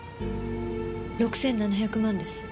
６７００万です。